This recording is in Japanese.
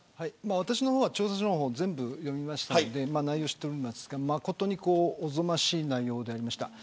私の方は調査書を全部読みましたから内容は知っていますが誠におぞましい内容でありました。